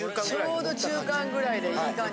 ちょうど中間ぐらいでいい感じ。